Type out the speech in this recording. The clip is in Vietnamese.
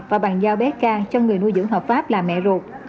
và bàn giao bé can cho người nuôi dưỡng hợp pháp là mẹ ruột